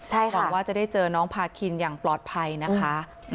หวังว่าจะได้เจอน้องพาคินอย่างปลอดภัยนะคะ